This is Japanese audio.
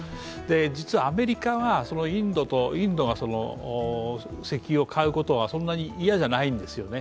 実はアメリカはインドが石油を買うことはそんなに嫌じゃないんですよね。